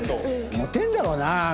モテんだろうな彼。